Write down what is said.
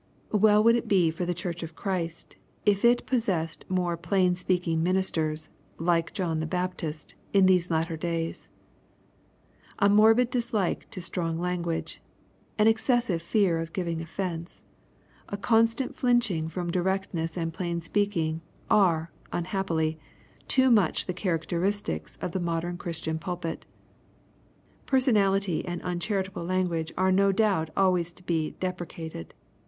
Well would it be for the Church of Christ, if it pos sessed more plain speaking ministers, like John the Baptist, in these latter days. A morbid dislike to strong language, — an excessive fear of giving offence, — a con stant flinching from directness and plain speaking, are, unhappily, too much the characteristics of the modern Christian pulpit. Personality and uncharitable language are no doubt always to be deprecated.